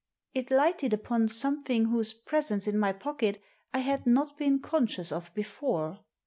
It lighted upon something whose presence in my pocket I had not been conscious of before.